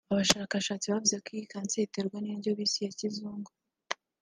Abashakashatsi bavuga ko iyi kanseri iterwa n’indyo bise iya kizungu